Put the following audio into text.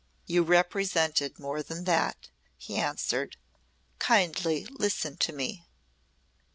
"You represented more than that," he answered. "Kindly listen to me."